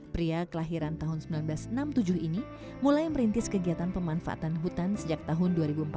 pria kelahiran tahun seribu sembilan ratus enam puluh tujuh ini mulai merintis kegiatan pemanfaatan hutan sejak tahun dua ribu empat belas